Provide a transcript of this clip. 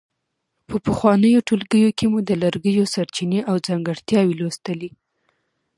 په پخوانیو ټولګیو کې مو د لرګیو سرچینې او ځانګړتیاوې لوستلې.